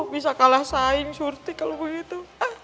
bisa kalah saing surtik kalau begitu